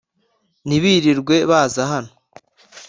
ntibirirwe baza hano